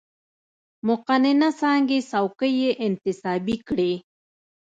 مقننه څانګې څوکۍ یې انتصابي کړې.